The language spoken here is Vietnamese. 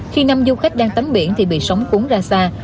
khi năm du khách đang tắm biển thì bị sóng cuốn ra xa